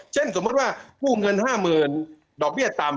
เช่นสมมติว่าคู่เงินห้าหมื่นดอกเบี้ยต่ำ